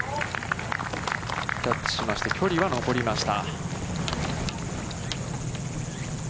タッチしまして、距離は残りました。